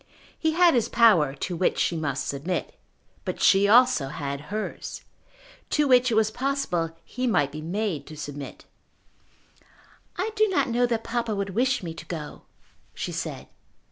He had his power to which she must submit. But she also had hers, to which it was possible he might be made to submit. "I do not know that papa would wish me to go," she said.